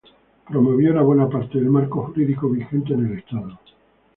Promovió una buena parte del marco jurídico vigente en el Estado.